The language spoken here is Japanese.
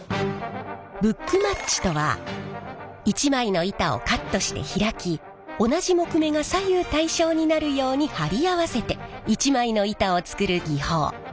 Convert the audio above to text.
ブックマッチとは一枚の板をカットして開き同じ木目が左右対称になるように貼り合わせて一枚の板を作る技法。